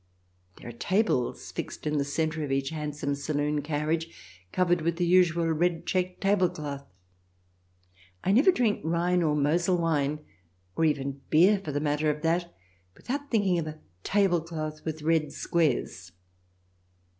There are tables fixed in the centre of each hand some saloon carriage, covered with the usual red checked tablecloth. (I never drink Rhine or Mosel wine, or even beer for the matter of that, without thinking of a tablecloth with red squares.)